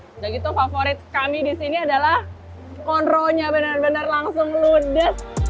udah gitu favorit kami di sini adalah onronya bener bener langsung ludes